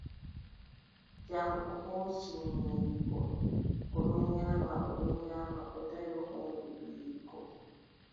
Jam, o hooci nyiiri goo, o ɗon nyaama, o ɗon nyaama, o tawi hoondu ɓiyiiko .